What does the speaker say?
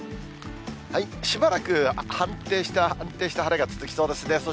しばらく、安定した晴れが続きそうですね。